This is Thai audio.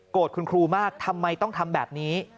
คุณครูมากทำไมต้องทำแบบนี้